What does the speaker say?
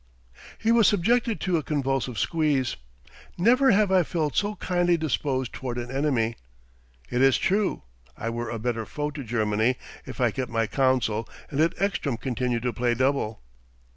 He was subjected to a convulsive squeeze. "Never have I felt so kindly disposed toward an enemy!" "It is true, I were a better foe to Germany if I kept my counsel and let Ekstrom continue to play double."